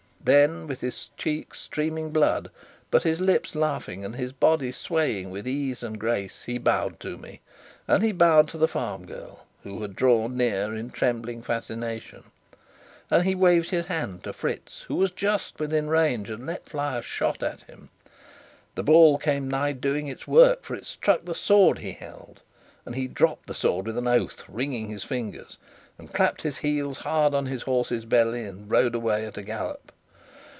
Then, with his cheek streaming blood, but his lips laughing and his body swaying with ease and grace, he bowed to me; and he bowed to the farm girl, who had drawn near in trembling fascination, and he waved his hand to Fritz, who was just within range and let fly a shot at him. The ball came nigh doing its work, for it struck the sword he held, and he dropped the sword with an oath, wringing his fingers and clapped his heels hard on his horse's belly, and rode away at a gallop.